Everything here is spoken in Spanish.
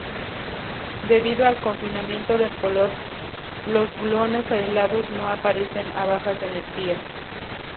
Debido al confinamiento del color, los gluones aislados no aparecen a bajas energías.